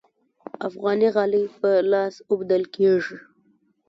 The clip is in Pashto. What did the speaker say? افغاني غالۍ په لاس اوبدل کیږي